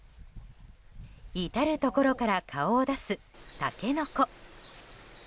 至るところから顔を出すタケノコ。